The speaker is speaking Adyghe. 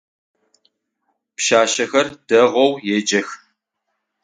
Пшъашъэхэр дэгъоу еджэх.